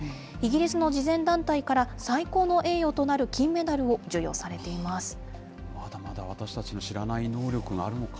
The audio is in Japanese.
イギリスの慈善団体から、最高の栄誉となる金メダルを授与されています。